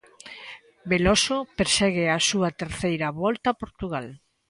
Veloso persegue a súa terceira volta a Portugal.